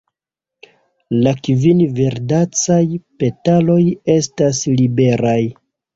La kvin verdecaj petaloj estas liberaj.